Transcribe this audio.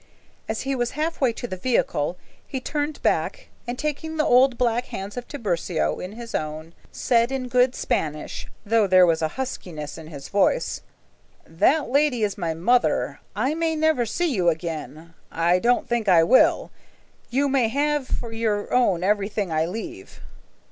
As he was halfway to the vehicle, he turned back, and taking the old black hands of Tiburcio in his own, said in good Spanish, though there was a huskiness in his voice, "That lady is my mother. I may never see you again. I don't think I will. You may have for your own everything I leave."